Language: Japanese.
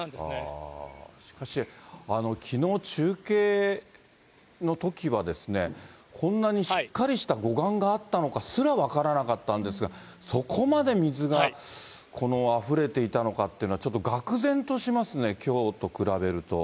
しかし、きのう中継のときは、こんなにしっかりした護岸があったのかすら分からなかったんですが、そこまで水があふれていたのかっていうのは、ちょっとがく然としますね、きょうと比べると。